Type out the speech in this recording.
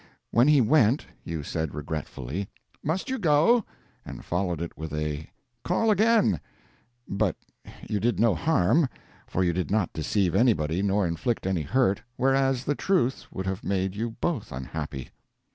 When he went, you said regretfully, "Must you go?" and followed it with a "Call again"; but you did no harm, for you did not deceive anybody nor inflict any hurt, whereas the truth would have made you both unhappy.